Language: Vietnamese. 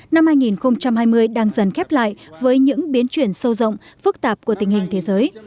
năm hai nghìn hai mươi đang dần khép lại với những biến chuyển sâu rộng phức tạp của tình hình thế giới